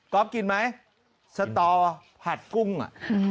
กรฟกินมั้ยสตผัดกุ้งอ่ะ